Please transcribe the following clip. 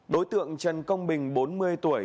đối tượng trần công bình bốn mươi tuổi